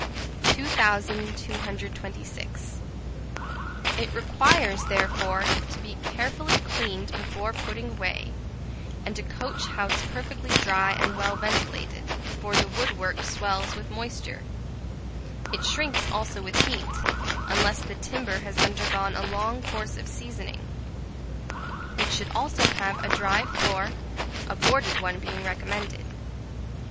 2216. It requires, therefore, to be carefully cleaned before putting away, and a coach house perfectly dry and well ventilated, for the wood work swells with moisture; it shrinks also with heat, unless the timber has undergone a long course of seasoning: it should also have a dry floor, a boarded one being recommended.